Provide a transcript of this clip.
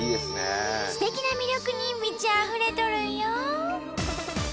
すてきな魅力に満ちあふれとるんよ！